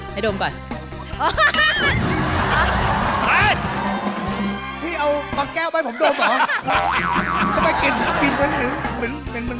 ให้ดมก่อนให้ดมก่อนพี่เอาปลาแก้วไปผมดมเหรอทำไมกินกินเหมือนเหมือนเหมือน